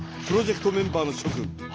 プロジェクトメンバーのしょ君。